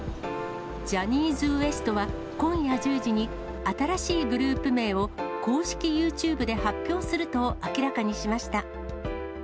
ジャニーズＷＥＳＴは、今夜１０時に、新しいグループ名を公式ユーチューブで発表すると明らかにしました。